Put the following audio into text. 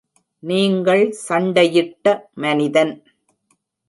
நீங்கள் சண்டையிட்ட மனிதன்.